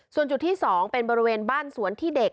ส่วนจุดที่๒เป็นบริเวณบ้านสวนที่เด็ก